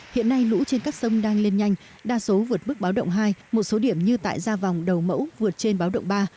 hiện nay lũ trên các sông đang lên nhanh đa số vượt mức báo động hai một số điểm như tại gia vòng đầu mẫu vượt trên báo động ba